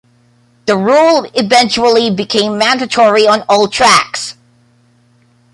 The rule eventually became mandatory on all tracks.